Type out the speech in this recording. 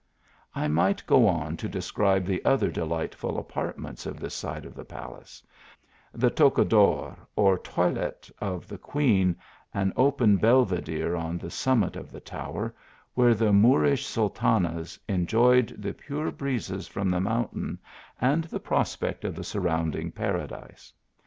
I might go on to describe the other delight ful apartments of this side of the palace ; the To cador or toilet of the Queen, an open belvedere on the summit of the tower, where the Moorish^ sultanas enjoyed the pure breezes from the mountain and the prospect of the surrounding paradise.